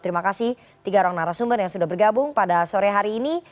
terima kasih tiga orang narasumber yang sudah bergabung pada sore hari ini